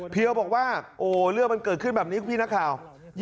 บอกว่าโอ้เรื่องมันเกิดขึ้นแบบนี้คุณพี่นักข่าว